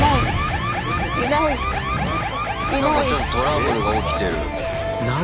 なんかちょっとトラブルが起きてる。